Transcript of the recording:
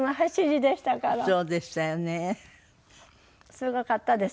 すごかったです。